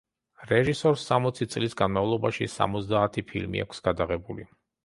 რეჟისორს სამოცი წლის განმავლობაში სამოცდაათი ფილმი აქვს გადაღებული.